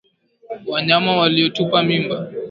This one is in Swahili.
Wanyama waliotupa mimba